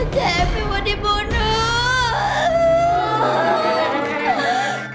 cepi mau dibunuh